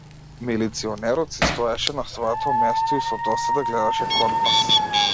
Милиционерот си стоеше на своето место и со досада гледаше кон нас.